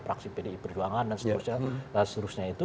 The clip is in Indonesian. praksi pdi perjuangan dan seterusnya itu